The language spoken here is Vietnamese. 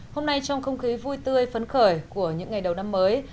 hôm nay trong không khí vui tươi phấn khởi của những ngày đầu năm mới